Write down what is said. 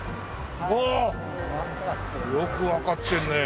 よくわかってるね。